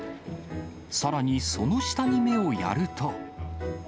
さらにその下に目をやると。